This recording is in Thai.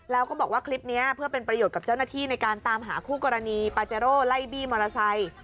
แล้วก็บอกว่าคลิปนี้เพื่อเป็นประโยชน์กับเจ้าหน้าที่ในการตามหาคู่กรณีปาเจโร่ไล่บี้มอเตอร์ไซค์